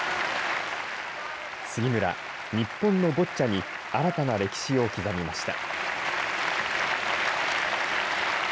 杉村、日本のボッチャに新たな歴史を刻みました。